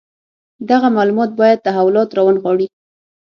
دغه معلومات باید تحولات راونغاړي.